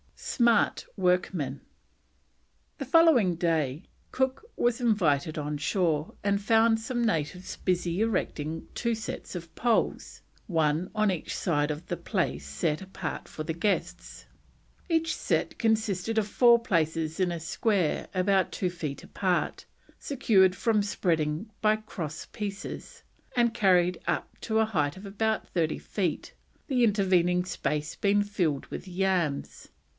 SMART WORKMEN. The following day Cook was invited on shore and found some natives busy erecting two sets of poles, one on each side of the place set apart for the guests. Each set consisted of four placed in a square about two feet apart, secured from spreading by cross pieces, and carried up to a height of about thirty feet, the intervening space being filled with yams.